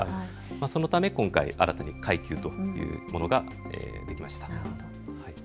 そのため今回、新たに階級というものができました。